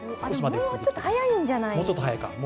もうちょっと早いんじゃないですか？